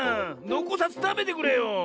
のこさずたべてくれよ。